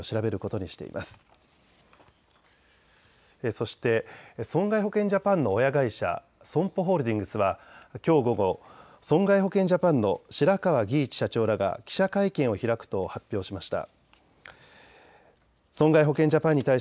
そして損害保険ジャパンの親会社、ＳＯＭＰＯホールディングスはきょう午後、損害保険ジャパンの白川儀一社長らが記者会見を開くと発表しました。